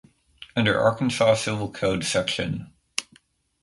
Under Arkansas Civil Code sec.